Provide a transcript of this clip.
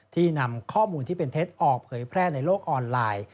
นำข้อมูลที่เป็นเท็จออกเผยแพร่ในโลกออนไลน์